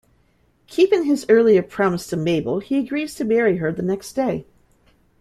Keeping his earlier promise to Mabel he agrees to marry her the next day.